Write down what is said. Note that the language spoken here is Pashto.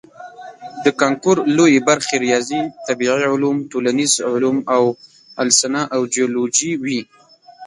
د کانکور لویې برخې ریاضي، طبیعي علوم، ټولنیز علوم او السنه او جیولوجي وي.